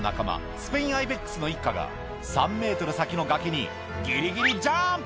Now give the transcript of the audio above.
スペインアイベックスの一家が３ｍ先の崖にギリギリジャンプ！